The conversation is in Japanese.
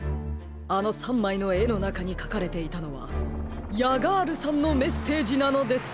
あの３まいのえのなかにかかれていたのはヤガールさんのメッセージなのです！